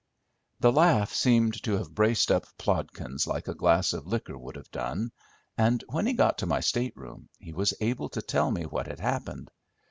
The laugh seemed to have braced up Plodkins like a glass of liquor would have done, and when we got to my state room he was able to tell me what had happened.